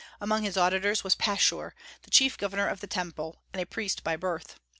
Among his auditors was Pashur, the chief governor of the Temple, and a priest by birth.